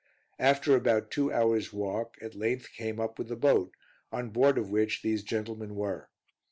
After about two hours walk at length came up with the boat, on board of which these gentlemen were.